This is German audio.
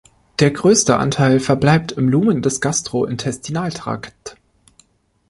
Der größte Anteil verbleibt im Lumen des Gastrointestinaltrakt.